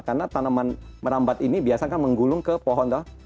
karena tanaman merambat ini biasanya kan menggulung ke pohon